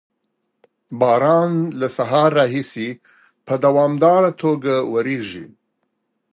باران له سهار راهیسې په دوامداره توګه ورېږي.